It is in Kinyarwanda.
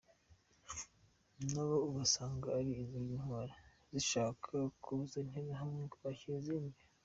Nabo ugasanga ari izindi “ntwari” zishaka kubuza interahamwe kwakira izindi.